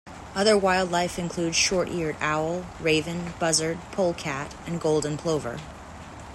Other wildlife include short-eared owl, raven, buzzard, polecat and golden plover.